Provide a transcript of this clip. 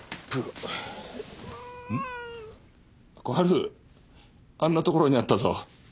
小春あんなところにあったぞ。